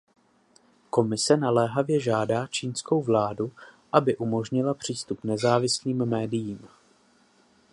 Komise naléhavě žádá čínskou vládu, aby umožnila přístup nezávislým médiím.